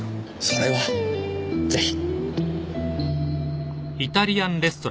それはぜひ。